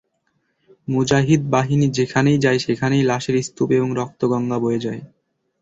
মুজাহিদ বাহিনী যেখানেই যায় সেখানেই লাশের স্তূপ এবং রক্তগঙ্গা বয়ে যায়।